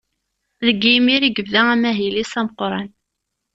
Deg yimir i yebda amahil-is ameqqran.